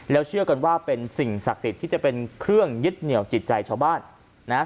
แล้วเชื่อกันว่าเป็นสิ่งศักดิ์สิทธิ์ที่จะเป็นเครื่องยึดเหนียวจิตใจชาวบ้านนะฮะ